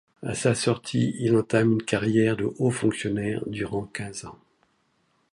À sa sortie, il entame une carrière de haut fonctionnaire durant quinze ans.